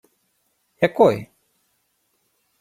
— Якої?